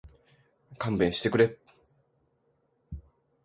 勘弁してくれ